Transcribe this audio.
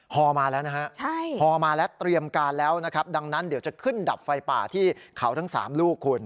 ฮอมาแล้วนะฮะฮอมาแล้วเตรียมการแล้วนะครับดังนั้นเดี๋ยวจะขึ้นดับไฟป่าที่เขาทั้ง๓ลูกคุณ